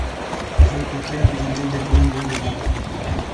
د خلکو اړتیاوې پېژندل د ټولنې وده ده.